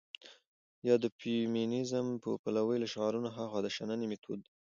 يا د فيمنيزم په پلوۍ له شعارونو هاخوا د شننې مېتود دى.